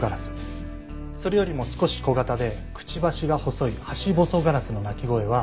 それよりも少し小型でクチバシが細いハシボソガラスの鳴き声は。